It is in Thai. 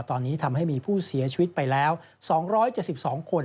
ตอนนี้ทำให้มีผู้เสียชีวิตไปแล้ว๒๗๒คน